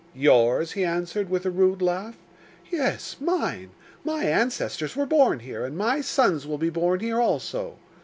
"Yours?" he answered, with a rude laugh. "Yes, mine; my ancestors were born here, and my sons will be born here also."